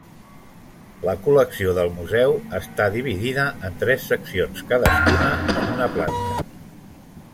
La col·lecció del Museu està dividida en tres seccions, cadascuna en una planta.